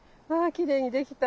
きれいにできた。